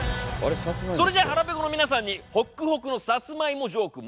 それじゃ腹ぺこの皆さんにホックホクのサツマイモジョーク。